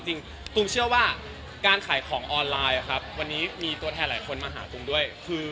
จริงตุ้มเชื่อว่าการขายของออนไลน์วันนี้มีตัวแทนมีคนใหม่ด้วย